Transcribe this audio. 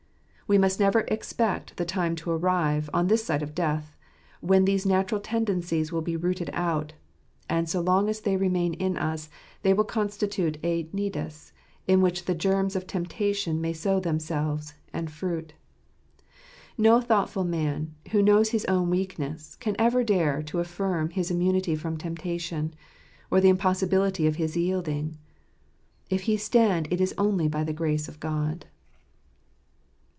We must never expect the time to arrive, on this side of death, when these natural tendencies will be rooted out; and so long as they remain in us, they will constitute a nidus in which the germs of temptation may sow themselves, and fruit. No thoughtful man, who knows his own weakness, can ever dare to affirm his immunity from temptation, or the impossibility of his yielding. If he stand it is only by the grace of God.